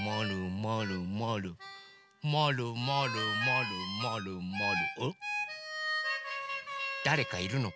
まるまるまるまるまるまるまる。